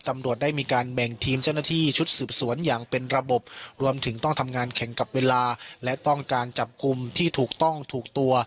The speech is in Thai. ตำรวจได้มีการแบ่งทีมเจ้าหน้าที่ชุดสืบสวนอย่างเป็นระบบรวมถึงต้องทำงานแข่งกับเวลาและต้องการจับกลุ่มที่ถูกต้องถูกตัว